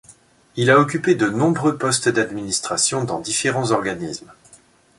Il a occupé de nombreux postes d’administration dans différents organismes.